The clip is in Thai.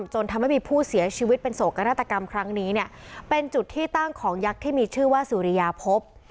จนทำให้มีผู้เสียชีวิตเป็นโศกนาฏกรรมครั้งนี้เนี่ยเป็นจุดที่ตั้งของยักษ์ที่มีชื่อว่าสุริยาพบ